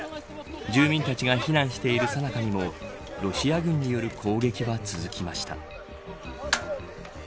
住民たちが避難しているさなかにもロシア軍による攻撃は続きました。